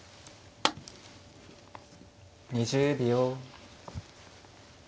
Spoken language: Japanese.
２０秒。